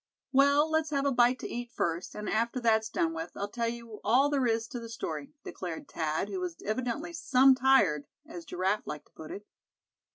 "Well, let's have a bite to eat, first, and after that's done with, I'll tell you all there is to the story," declared Thad, who was evidently "some tired," as Giraffe liked to put it.